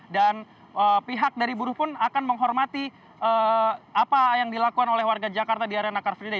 dan pihak dari buruh pun akan menghormati apa yang dilakukan oleh warga jakarta di area car free day